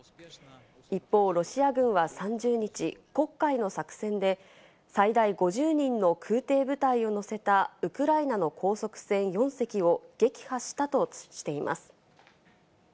一方、ロシア軍は３０日、黒海の作戦で最大５０人の空挺部隊を乗せたウクライナの高速船４隻を撃破したとしています。